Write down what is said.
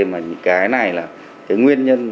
mà cái này là nguyên nhân